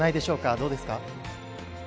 どうですか？